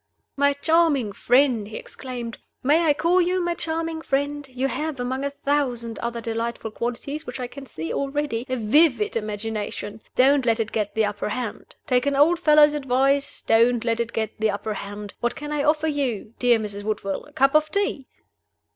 "My charming friend!" he exclaimed. "May I call you my charming friend? You have among a thousand other delightful qualities which I can see already a vivid imagination. Don't let it get the upper hand. Take an old fellow's advice; don't let it get the upper hand! What can I offer you, dear Mrs. Woodville? A cup of tea?"